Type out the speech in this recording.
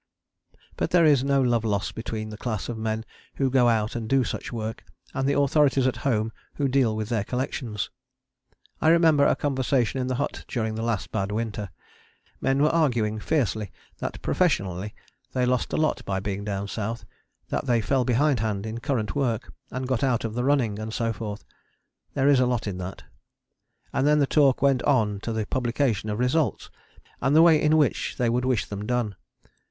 But there is no love lost between the class of men who go out and do such work and the authorities at home who deal with their collections. I remember a conversation in the hut during the last bad winter. Men were arguing fiercely that professionally they lost a lot by being down South, that they fell behindhand in current work, got out of the running and so forth. There is a lot in that. And then the talk went on to the publication of results, and the way in which they would wish them done.